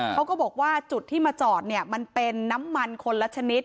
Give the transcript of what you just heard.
เขาก็บอกว่าจุดที่มาจอดเนี่ยมันเป็นน้ำมันคนละชนิด